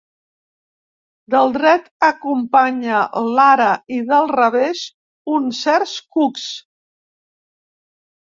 Del dret acompanya l'ara i del revés uns certs cucs.